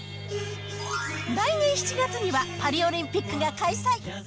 来年７月にはパリオリンピックが開催。